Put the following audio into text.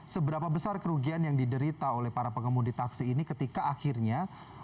seberapa besar kerugian yang diderita oleh para pengemudi taksi ini ketika akhirnya